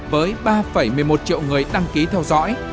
với ba một mươi một triệu người đăng ký theo dõi